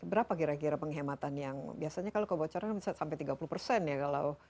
berapa kira kira penghematan yang biasanya kalau kebocoran bisa sampai tiga puluh persen ya kalau